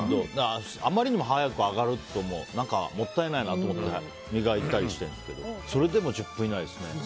あまりにも早く上がるともったいないなと思って磨いたりしてるんですけどそれでも１０分以内ですね。